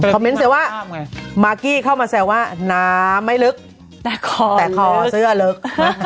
ขอแม้ว่ามากกี้เข้ามาแยะว่าหนาไม่ลึกแต่คอเสื้อลึก